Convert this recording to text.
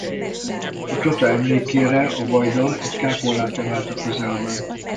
A csata emlékére a vajda egy kápolnát emelt a közelben.